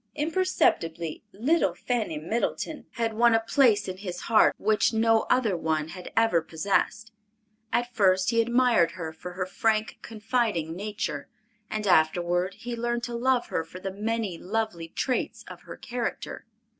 Imperceptibly, "Little Fanny Middleton" had won a place in his heart which no other one had ever possessed. At first he admired her for her frank, confiding nature, and afterward he learned to love her for the many lovely traits of her character.